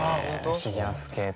フィギュアスケートの。